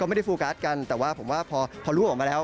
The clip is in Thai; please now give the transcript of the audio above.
ไม่ได้โฟกัสกันแต่ว่าผมว่าพอรู้ออกมาแล้ว